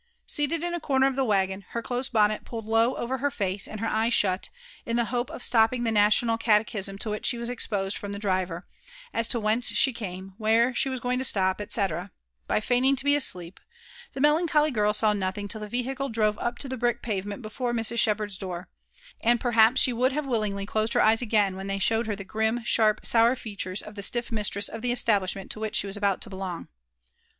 Seated in a corner of the waggon, her close bonnet pulled low over her face, and her eyes shut, — in (he hope of stopping the national catechism to which she was exposed from (he driver, as to whence she came, where she was going to stop, ei ceetera —•by feigning to be asleep, — ^the melancholy girl saw nothing till the vehicle drove up to the brick pavement before Mrs. Shepherd's door ; and perhaps she would willingly have closed her eyes again, when they showed her the grim, sharp, sour features of the stiff mistress of the establishment to which she was about to belong.